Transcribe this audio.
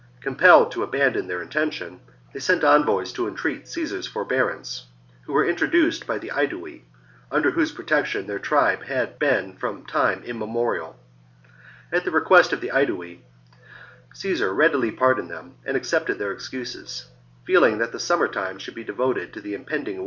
Compelled to abandon their intention, they sent envoys to entreat Caesar's forbearance, who were introduced by the Aedui, under whose protection their tribe had been from time immemorial. At the request of the Aedui, Caesar readily pardoned them and accepted their excuses, feeling that the VI IN NORTH EASTERN GAUL 173 summer time should be devoted to the impending 53 b.c.